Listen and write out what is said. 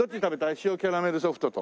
塩キャラメルソフトと。